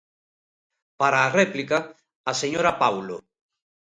Para a réplica, a señora Paulo.